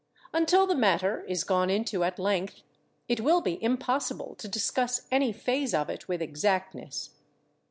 Until the matter is gone into at length it will be impossible to discuss any phase of it with exactness.